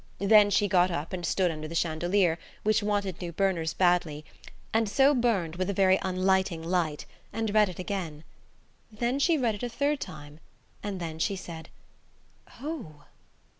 Then she got up and stood under the chandelier, which wanted new burners badly, and so burned with a very unlighting light, and read it again. Then she read it a third time, and then she said, "Oh!"